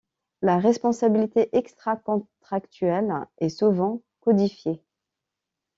La responsabilité extracontractuelle est souvent codifiée.